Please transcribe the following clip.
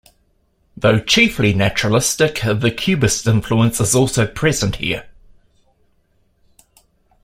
Though chiefly naturalistic, the cubist influence is also present here.